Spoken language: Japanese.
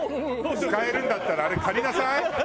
使えるんだったらあれ借りなさい。